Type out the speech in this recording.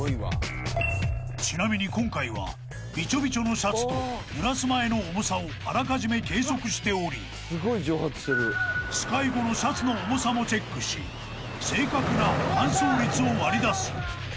［ちなみに今回はビチョビチョのシャツとぬらす前の重さをあらかじめ計測しておりスカイ後のシャツの重さもチェックし正確な乾燥率を割り出す］